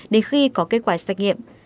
đến khi có kết quả xét nghiệm